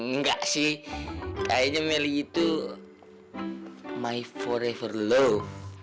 nggak sih kayaknya melly itu my forever love